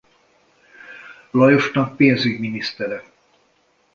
Lajosnak pénzügyminisztere.